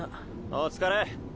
お疲れ。